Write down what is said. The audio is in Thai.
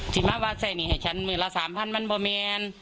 สิมะว่าใส่หนีให้ฉันเมื่อละสามพันมันประมาณ